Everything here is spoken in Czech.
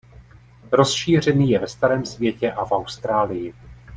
Rozšířený je ve starém světě a v Austrálii.